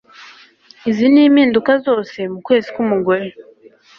Izi ni mpimduka zose mu kwezi k'umugore